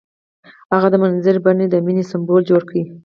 هغه د منظر په بڼه د مینې سمبول جوړ کړ.